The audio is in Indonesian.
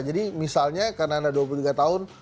jadi misalnya karena anda dua puluh tiga tahun